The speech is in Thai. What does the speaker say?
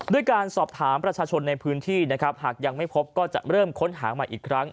ด้วยการสอบถามประชาชนในพื้นที่นะครับหากยังไม่พบก็จะเริ่มค้นหาใหม่อีกครั้ง